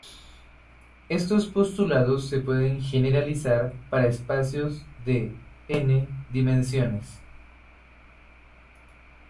Estos postulados se pueden generalizar para espacios de n dimensiones.